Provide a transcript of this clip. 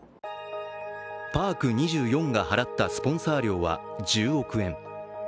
パーク２４が払ったスポンサー料は１０億円。